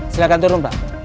silahkan turun pak